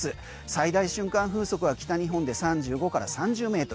最大瞬間風速は北日本で３５から３０ｍ。